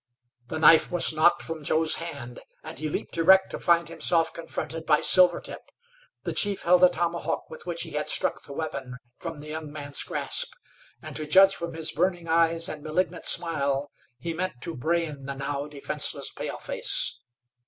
The knife was knocked from Joe's hand and he leaped erect to find himself confronted by Silvertip. The chief held a tomahawk with which he had struck the weapon from the young man's grasp, and, to judge from his burning eyes and malignant smile, he meant to brain the now defenseless paleface.